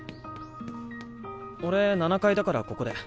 俺７階だからここで。